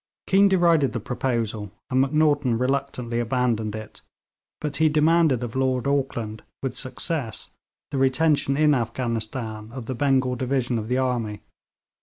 Keane derided the proposal, and Macnaghten reluctantly abandoned it, but he demanded of Lord Auckland with success, the retention in Afghanistan of the Bengal division of the army.